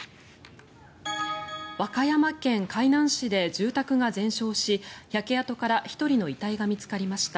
和歌山県海南市で住宅が全焼し焼け跡から１人の遺体が見つかりました。